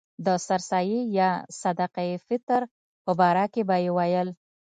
د سر سایې یا صدقه فطر په باره کې به یې ویل.